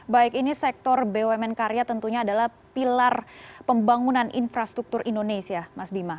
baik ini sektor bumn karya tentunya adalah pilar pembangunan infrastruktur indonesia mas bima